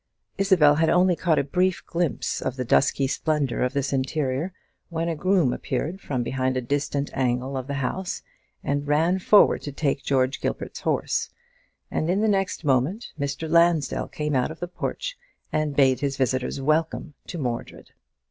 Isabel had only caught a brief glimpse of the dusky splendour of this interior, when a groom appeared from behind a distant angle of the house and ran forward to take George Gilbert's horse; and in the next moment Mr. Lansdell came out of the porch, and bade his visitors welcome to Mordred.